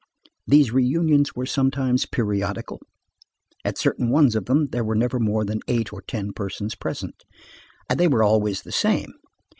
These reunions were sometimes periodical. At certain ones of them, there were never more than eight or ten persons present, and they were always the same.